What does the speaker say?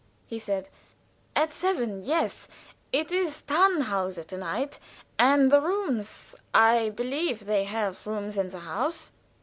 he said. "At seven yes. It is 'Tannhauser' to night. And the rooms I believe they have rooms in the house."